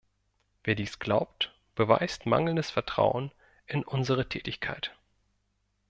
Wer dies glaubt, beweist mangelndes Vertrauen in unsere Tätigkeit.